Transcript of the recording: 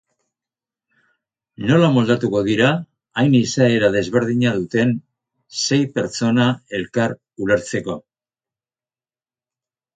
Nola moldatuko dira hain izaera desberdina duten sei pertsona elkar ulertzeko?